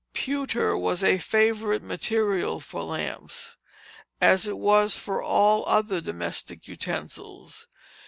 Pewter was a favorite material for lamps, as it was for all other domestic utensils.